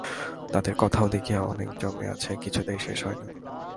তাঁদের কথাও দেখি অনেক জমে আছে, কিছুতেই শেষ হয় না।